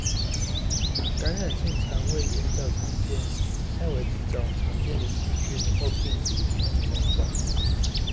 感染性腸胃炎較常見，以下為幾種常見的細菌或病毒及其症狀。